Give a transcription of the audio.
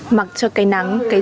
chấp chất chấp chất chấp chất